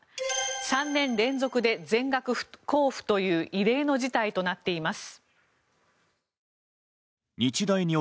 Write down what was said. ３年連続で全額不交付という異例の事態となっています。